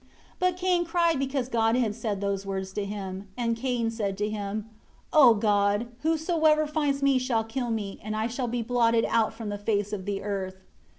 19 But Cain cried because God had said those words to him; and Cain said to Him, "O God, whosoever finds me shall kill me, and I shall be blotted out from the face of the earth."